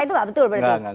itu gak betul